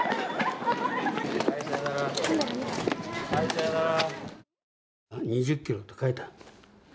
さようなら。